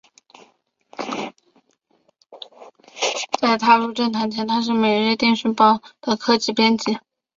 在踏入政坛之前他是每日电讯报的科技编辑。